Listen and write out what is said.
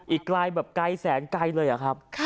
อีกกลายแบบไกลสังส์ไกลเลยหรอครับ